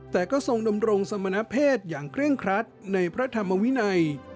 แต่ก็ทรงดำรงสมณเพศอย่างเคร่งครัดในพระธรรมวินัย